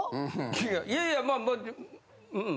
いやいやいやまあうん。